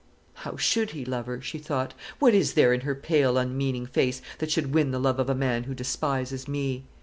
"How should he love her?" she thought. "What is there in her pale unmeaning face that should win the love of a man who despises me?"